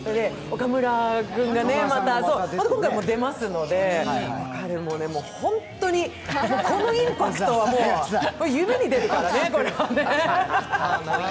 岡村君がまた、出ますので、彼も本当にこのインパクトはもう、夢に出るからね、これはね。